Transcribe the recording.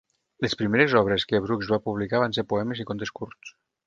Les primeres obres que Brooks va publicar van ser poemes i contes curts.